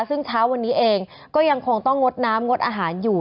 ซึ่งเช้าวันนี้เองก็ยังคงต้องงดน้ำงดอาหารอยู่